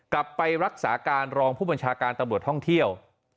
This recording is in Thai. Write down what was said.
ไปรักษาการรองผู้บัญชาการตำรวจท่องเที่ยว